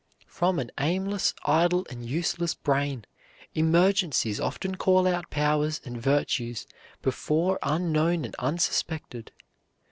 From an aimless, idle, and useless brain, emergencies often call out powers and virtues before unknown and unsuspected.